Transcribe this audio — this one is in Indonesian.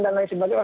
dan lain sebagainya